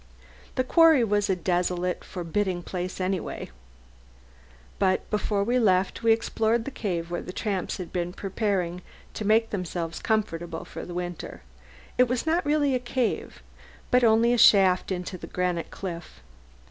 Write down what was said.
The quarry was a desolate, forbidding place anyway. But before we left we explored the cave where the tramps had been preparing to make themselves comfortable for the winter. It was not really a cave, but only a shaft into the granite cliff.